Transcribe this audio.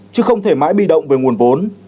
chứ không thể mãi bị động về nguồn vốn